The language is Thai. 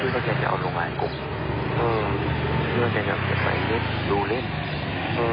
พี่ก็จะเอาโรงแรมกลุ่มอืมพี่ก็จะเอาเทียบไปเล่นดูเล่นอืม